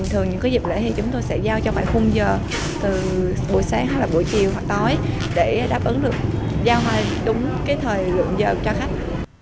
thường những dịp lễ thì chúng tôi sẽ giao cho mọi khung giờ từ buổi sáng hoặc buổi chiều hoặc tối để đáp ứng được giao hoa đúng thời lượng giờ cho khách